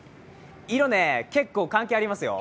色ね、結構関係ありますよ。